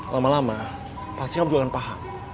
lama lama pasti kamu juga akan paham